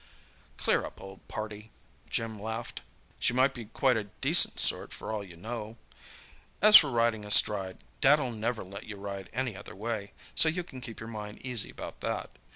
"Cheer up, old party," Jim laughed. "She might be quite a decent sort for all you know. As for riding astride, Dad'll never let you ride any other way, so you can keep your mind easy about that.